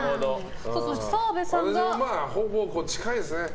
私もほぼ近いですね。